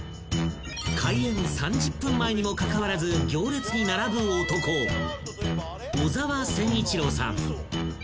［開園３０分前にもかかわらず行列に並ぶ男小澤千一朗さん］